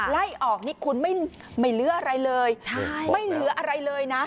ไล่ออกนี่คุณไม่เหลืออะไรเลยไม่เหลืออะไรเลยนะ